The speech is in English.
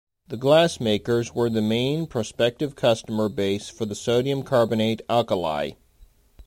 The glassmakers were the main prospective customer base for the sodium carbonate alkali.